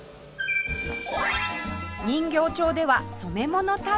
人形町では染め物体験